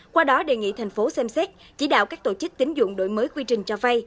qua đó đề nghị tp hcm xem xét chỉ đạo các tổ chức tín dụng đổi mới quy trình cho vay